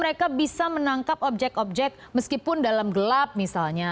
mereka bisa menangkap objek objek meskipun dalam gelap misalnya